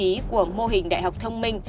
điều trí của mô hình đại học thông minh